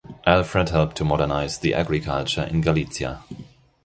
Alfred helped to modernize the agriculture in Galicia.